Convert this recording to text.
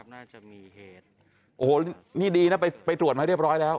น่าจะมีเหตุโอ้โหนี่ดีนะไปไปตรวจมาเรียบร้อยแล้ว